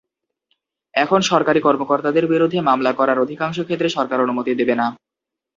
এখন সরকারি কর্মকর্তাদের বিরুদ্ধে মামলা করার অধিকাংশ ক্ষেত্রে সরকার অনুমতি দেবে না।